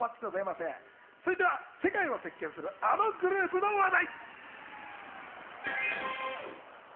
続いては世界を席巻するあのグループの話題。